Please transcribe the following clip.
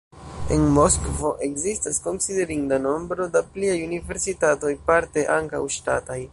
En Moskvo ekzistas konsiderinda nombro da pliaj universitatoj, parte ankaŭ ŝtataj.